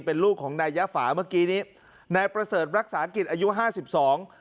เป็นลูกของนายยะฝาเมื่อกี้นี้นายประเสริฐรักษากิจอายุห้าสิบสอง